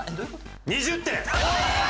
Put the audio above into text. ２０点！